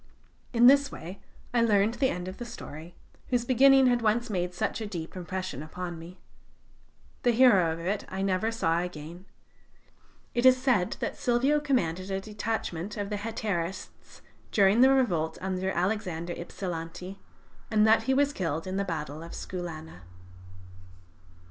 In this way I learned the end of the story, whose beginning had once made such a deep impression upon me. The hero of it I never saw again. It is said that Silvio commanded a detachment of Hetairists during the revolt under Alexander Ipsilanti, and that he was killed in the battle of Skoulana.